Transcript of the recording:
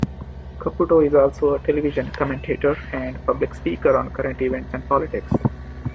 Caputo is also a television commentator and public speaker on current events and politics.